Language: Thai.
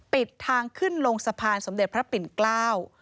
ปิดทางขึ้นลงสะพานสมเด็จพระปิ่นเกล้า